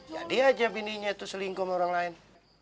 jadi aja bininya itu selingkuh sama orang lain